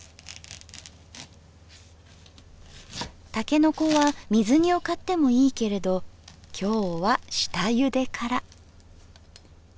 たけのこは水煮を買ってもいいけれど今日は下ゆでから。